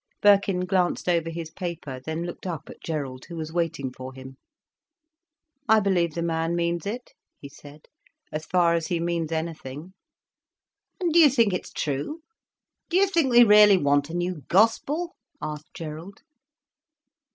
Birkin glanced over his paper, then looked up at Gerald, who was waiting for him. "I believe the man means it," he said, "as far as he means anything." "And do you think it's true? Do you think we really want a new gospel?" asked Gerald.